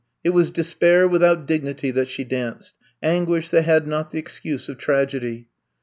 It was despair without dignity that she danced ; anguish that had not the excuse of tragedy.